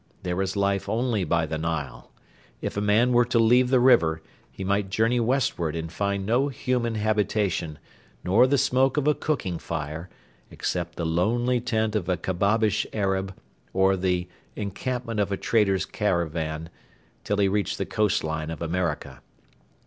There is life only by the Nile. If a man were to leave the river, he might journey westward and find no human habitation, nor the smoke of a cooking fire, except the lonely tent of a Kabbabish Arab or the encampment of a trader's caravan, till he reached the coast line of America.